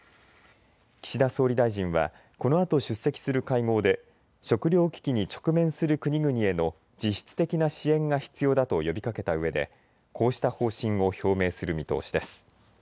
岸田総理大臣はこのあと出席する会合で食料危機に直面する国々への実質的な支援が必要だと呼びかけたうえでこうした方針を表明する見通しです。